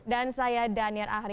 dan saya danier ahri